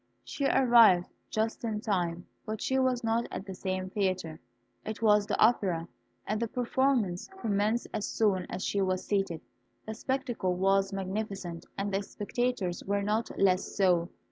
She arrived just in time, but she was not at the same theatre. It was the opera, and the performance commenced as soon as she was seated. The spectacle was magnificent, and the spectators were not less so.